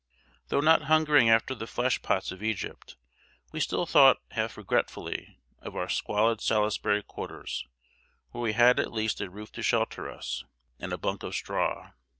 Though not hungering after the flesh pots of Egypt, we still thought, half regretfully, of our squalid Salisbury quarters, where we had at least a roof to shelter us, and a bunk of straw.